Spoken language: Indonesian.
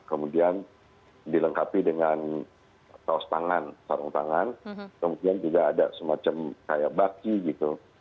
kemudian dilengkapi dengan saus sarung tangan kemudian juga ada semacam kayak baki gitu